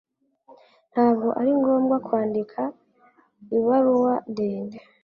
Ntabwo ari ngombwa kwandika ibaruwa ndende.